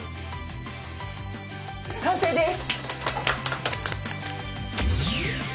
完成です！